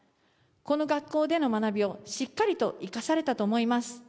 この学校での学びをしっかりと生かされたと思います。